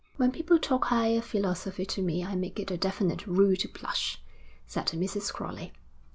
'When people talk higher philosophy to me I make it a definite rule to blush,' said Mrs. Crowley.